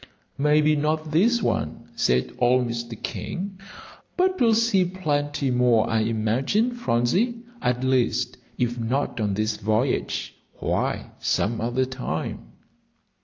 "Maybe not this one," said old Mr. King; "but we'll see plenty more, I imagine, Phronsie. At least, if not on this voyage, why, some other time."